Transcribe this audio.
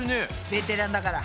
ベテランだから。